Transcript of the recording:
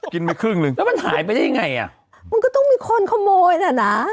กินไปครึ่งหนึ่งแล้วมันหายไปได้ยังไงอ่ะมันก็ต้องมีคนขโมยน่ะนะ